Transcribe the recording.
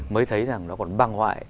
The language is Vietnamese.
mới thấy rằng nó còn băng hoại